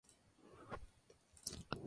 Febo era el heredero de Navarra.